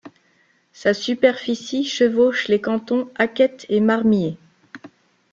Sa superficie chevauche les cantons Hackett et Marmier.